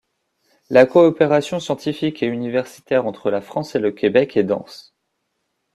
La coopération scientifique et universitaire entre la France et le Québec est dense.